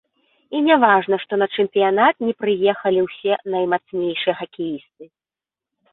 І не важна, што на чэмпіянат не прыехалі ўсе наймацнейшыя хакеісты.